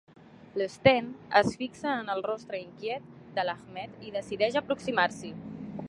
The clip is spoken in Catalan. L'Sten es fixa en el rostre inquiet de l'Ahmed i decideix aproximar-s'hi.